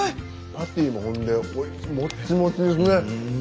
パティーもほんでもっちもちですね。